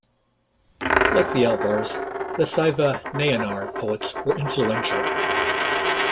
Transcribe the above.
Like the Alvars the Saiva Nayanar poets were influential.